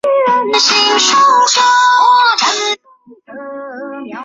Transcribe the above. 卡文拿在家乡球队泰拿华斯巴达出道。